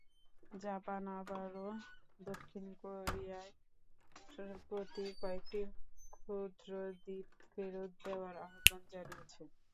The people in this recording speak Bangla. জাপান আবারও দক্ষিণ কোরিয়ার প্রতি কয়েকটি ক্ষুদ্র দ্বীপ ফেরত দেওয়ার আহ্বান জানিয়েছে।